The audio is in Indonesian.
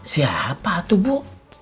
siapa tuh bu